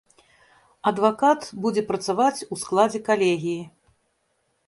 Адвакат будзе працаваць у складзе калегіі.